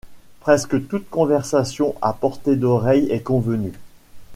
Presque toute conversation à portée d’oreille est convenue.